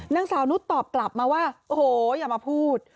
นางสาวนุษย์ตอบกลับมาว่าโอ้โหอย่ามาพูด